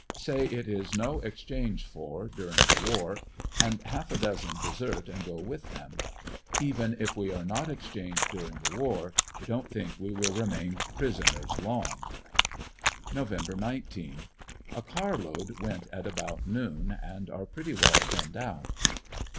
Say it is no exchange for during the war, and half a dozen desert and go with them. Even if we are not exchanged during the war, don't think we will remain prison ers long. Nov 19. — A car load went at about noon, and are pretty well thinned out.